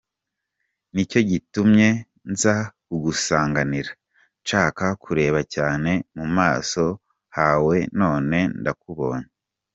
Nicyo gitumye nza kugusanganira nshaka kureba cyane mu maso hawe none ndakubonye.